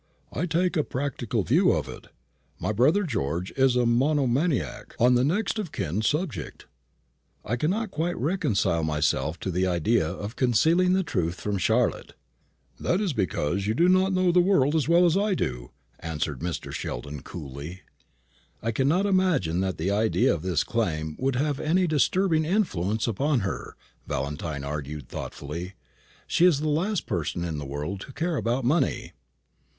"I take a practical view of it. My brother George is a monomaniac on the next of kin subject." "I cannot quite reconcile myself to the idea of concealing the truth from Charlotte." "That is because you do not know the world as well as I do," answered Mr. Sheldon, coolly. "I cannot imagine that the idea of this claim would have any disturbing influence upon her," Valentine argued, thoughtfully. "She is the last person in the world to care about money."